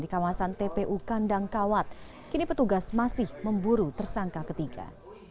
di kawasan tpu kandang kawat kini petugas masih memburu tersangka ketiga